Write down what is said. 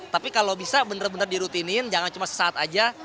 tapi kalau bisa benar benar dirutinin jangan cuma sesaat aja